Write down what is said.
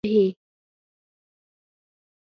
برعکس، د يو بل پښې وهي.